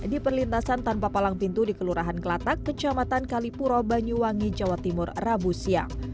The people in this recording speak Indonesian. di perlintasan tanpa palang pintu di kelurahan kelatak kecamatan kalipuro banyuwangi jawa timur rabu siang